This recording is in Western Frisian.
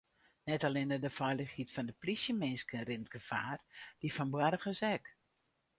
Net allinnich de feilichheid fan de polysjeminsken rint gefaar, dy fan boargers ek.